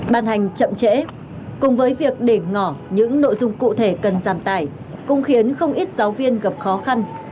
ban hành chậm trễ cùng với việc để ngỏ những nội dung cụ thể cần giảm tải cũng khiến không ít giáo viên gặp khó khăn